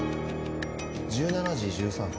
１７時１３分